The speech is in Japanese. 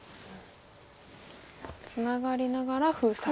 ツナがりながら封鎖と。